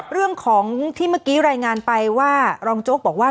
เรื่องของที่เมื่อกี้รายงานไปว่ารองโจ๊กบอกว่า